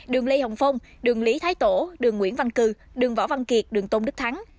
đường lê hồng phong đường lý thái tổ đường nguyễn văn cử đường võ văn kiệt đường tôn đức thắng